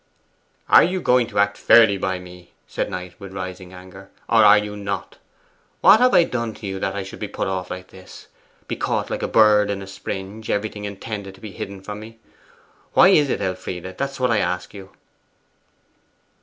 'Are you going to act fairly by me?' said Knight, with rising anger; 'or are you not? What have I done to you that I should be put off like this? Be caught like a bird in a springe; everything intended to be hidden from me! Why is it, Elfride? That's what I ask you.